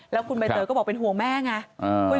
แล้วคุณใบเตยก็บอกเป็นห่วงแม่ไง